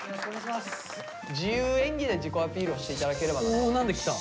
自由演技で自己アピールをして頂ければなと。